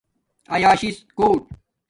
ایاشس کوٹ